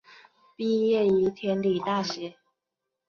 毕业于天理大学。